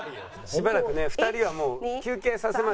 しばらくね２人はもう休憩させましょう。